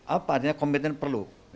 apa artinya komitmen perlu